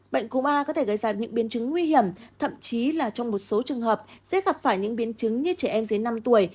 bệnh cô ma có thể gây ra những biến chứng nguy hiểm thậm chí là trong một số trường hợp sẽ gặp phải những biến chứng như trẻ em dưới năm tuổi